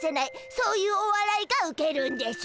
そういうおわらいがウケるんでしゅ。